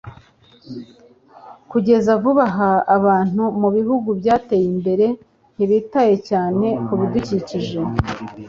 Kugeza vuba aha abantu mubihugu byateye imbere ntibitaye cyane kubidukikije